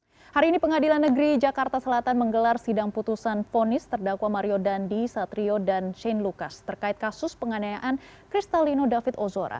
hari ini pengadilan negeri jakarta selatan menggelar sidang putusan fonis terdakwa mario dandi satrio dan shane lucas terkait kasus penganayaan kristalino david ozora